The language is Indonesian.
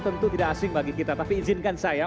tentu tidak asing bagi kita tapi izinkan saya